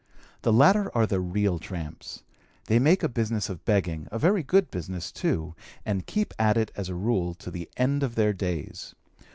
The latter are the real tramps. They make a business of begging a very good business too and keep at it, as a rule, to the end of their days.